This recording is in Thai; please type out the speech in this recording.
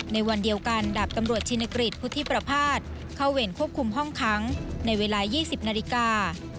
ในวันเดียวกันดาบตำรวจชินกฤษพุทธิประพาทเข้าเวรควบคุมห้องค้างในเวลา๒๐นาฬิกา